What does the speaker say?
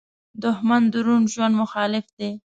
دښمن د روڼ ژوند مخالف دی